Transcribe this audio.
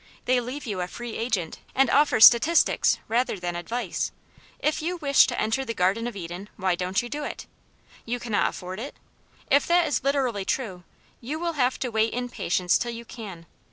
They leave you a free agent, and offer statistics rather than advice. If you wish to enter the Garden of Eden, why don't you do it? You cannot afford it ? If that is literally true, you will have to wait in patience till you can.